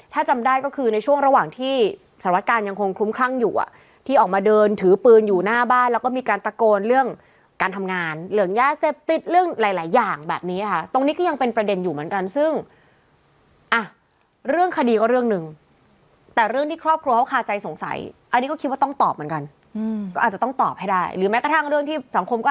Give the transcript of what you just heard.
ถ้าจำได้ก็คือในช่วงระหว่างที่สารวการยังคงคลุ้มคลั่งอยู่อ่ะที่ออกมาเดินถือปืนอยู่หน้าบ้านแล้วก็มีการตะโกนเรื่องการทำงานเรื่องยาเสพติดเรื่องหลายหลายอย่างแบบนี้ค่ะตรงนี้ก็ยังเป็นประเด็นอยู่เหมือนกันซึ่งอ่ะเรื่องคดีก็เรื่องหนึ่งแต่เรื่องที่ครอบครัวเขาคาใจสงสัยอันนี้ก็คิดว่าต้องตอบเหมือนกันก็อาจจะต้องตอบให้ได้หรือแม้กระทั่งเรื่องที่สังคมก็